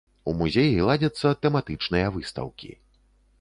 У музеі ладзяцца тэматычныя выстаўкі.